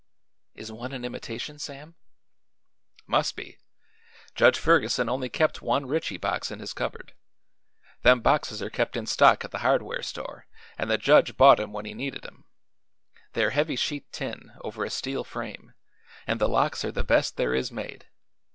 "Is one an imitation, Sam?" "Must be. Judge Ferguson only kept one Ritchie box in his cupboard. Them boxes are kept in stock at the hardware store, an' the judge bought 'em when he needed 'em. They're heavy sheet tin, over a steel frame, an' the locks are the best there is made.